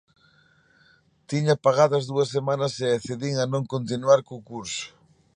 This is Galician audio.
Tiña pagadas dúas semanas e accedín a non continuar co curso.